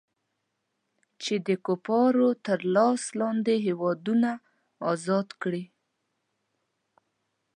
چې د کفارو تر لاس لاندې هېوادونه ازاد کړي.